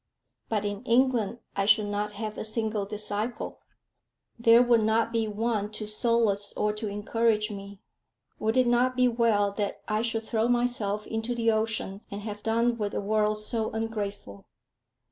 But in England I should not have a single disciple! There would not be one to solace or to encourage me! Would it not be well that I should throw myself into the ocean, and have done with a world so ungrateful?